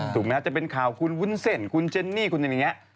แม้จะเป็นข่าวคุณวุ้นเส้นคุณเจนนี่คุณอย่างนี้